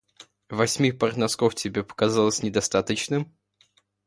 Восьми пар носков тебе показалось недостаточным?